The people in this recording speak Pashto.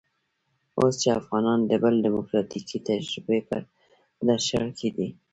اوس چې افغانان د بلې ډيموکراتيکې تجربې په درشل کې دي.